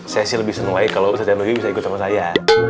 saya sih lebih senulai kalau ustad canuyuy bisa ikut sama saya